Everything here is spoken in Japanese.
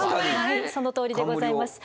はいそのとおりでございます。